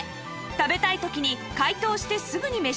食べたい時に解凍してすぐに召し上がれます